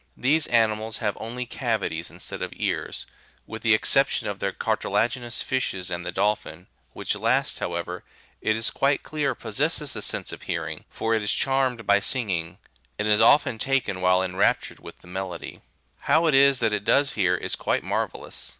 These animals have only cavities instead of ears, with the ex ception of the cartilaginous fishes and the dolphin, which last, however, it is quite clear possesses the sense of hearing, for it is charmed by singing, and is often taken while enraptured with the melody : how it is that it does hear, is quite marvellous.